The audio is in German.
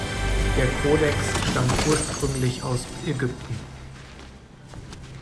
Der Codex stammt ursprünglich aus Ägypten.